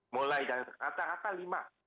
mulai dari rata rata lima